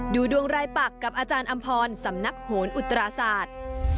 ดูดวงรายปักกับอาจารย์อำพรสำนักโหนอุตราศาสตร์